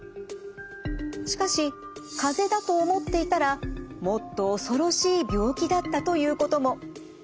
しかしかぜだと思っていたらもっと恐ろしい病気だったということも。